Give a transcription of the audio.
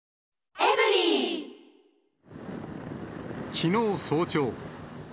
きのう早朝。